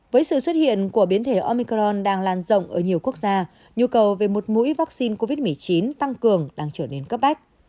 với sự xuất hiện của biến thể omicron đang lan rộng ở nhiều quốc gia nhu cầu về một mũi vaccine covid một mươi chín tăng cường đang trở nên cấp bách